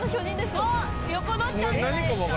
横取っちゃうんじゃないですか？